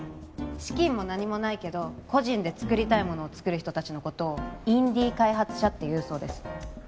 資金も何もないけど個人で作りたいものを作る人達のことをインディー開発者っていうそうです